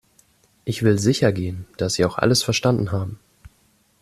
Ich will sicher gehen, dass Sie auch alles verstanden haben.